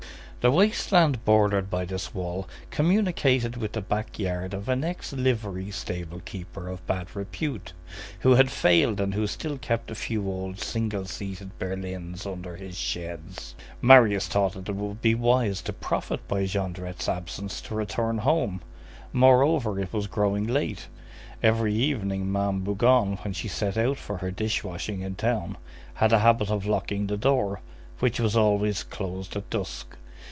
The waste land bordered by this wall communicated with the back yard of an ex livery stable keeper of bad repute, who had failed and who still kept a few old single seated berlins under his sheds. Marius thought that it would be wise to profit by Jondrette's absence to return home; moreover, it was growing late; every evening, Ma'am Bougon when she set out for her dish washing in town, had a habit of locking the door, which was always closed at dusk.